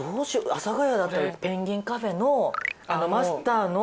阿佐ヶ谷だったらペンギンカフェのマスターの。